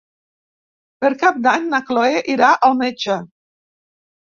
Per Cap d'Any na Cloè irà al metge.